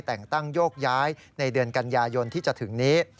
แต่งตั้งโยกย้ายในเดือนกันยายนที่จะถึงนี้